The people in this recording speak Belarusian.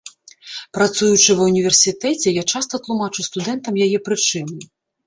Працуючы ва ўніверсітэце, я часта тлумачу студэнтам яе прычыны.